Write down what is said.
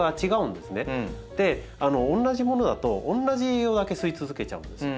同じものだと同じ栄養だけ吸い続けちゃうんですよ。